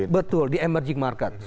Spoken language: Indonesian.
betul di emerging market